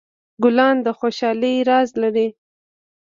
ګلان د خوشحالۍ راز لري.